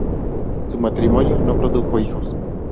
Su matrimonio no produjo hijos.